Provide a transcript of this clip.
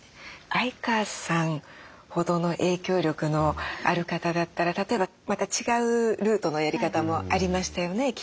相川さんほどの影響力のある方だったら例えばまた違うルートのやり方もありましたよねきっと。